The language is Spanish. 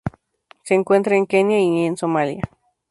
Se encuentra en Kenia y Somalia.